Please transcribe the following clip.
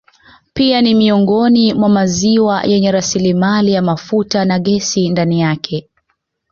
Pia ni miongoni mwa maziwa yenye rasilimali ya mafuta na gesi ndani yake